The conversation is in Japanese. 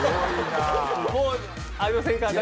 もうありませんか？